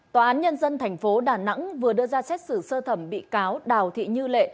tòa án nhân dân tp đà nẵng vừa đưa ra xét xử sơ thẩm bị cáo đào thị như lệ